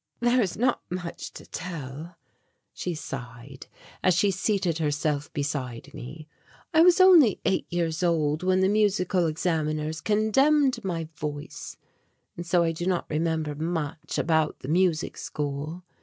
"There is not much to tell," she sighed, as she seated herself beside me. "I was only eight years old when the musical examiners condemned my voice and so I do not remember much about the music school.